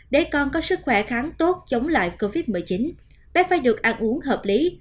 để con có sức khỏe kháng tốt chống lại covid một mươi chín bé phải được ăn uống hợp lý